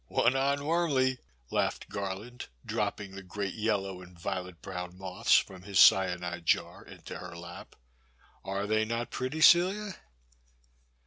One on Wormly," laughed Garland, drop ping the great yellow and violet brown moths from his cyanide jar into her lap, are they not pretty, Celia?"